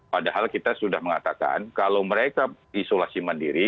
padahal kita sudah mengatakan kalau mereka isolasi mandiri